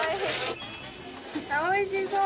・おいしそう！